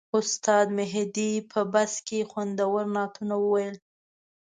استاد مهدي په بس کې خوندور نعتونه وویل.